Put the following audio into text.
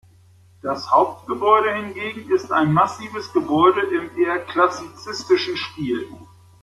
Das Hauptgebäude hingegen ist ein massives Gebäude im eher klassizistischen Stil.